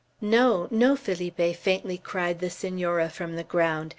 "No, no, Felipe," faintly cried the Senora, from the ground.